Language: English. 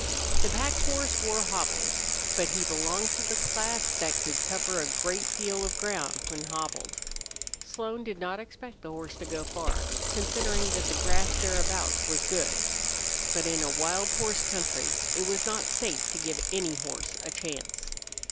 The pack horse wore hobbles, but he belonged to the class that could cover a great deal of ground when hobbled. Slone did not expect the horse to go far, considering that the grass thereabouts was good. But in a wild horse country it was not safe to give any horse a chance.